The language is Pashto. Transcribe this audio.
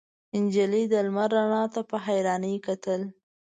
نجلۍ د لمر رڼا ته په حيرانۍ کتل.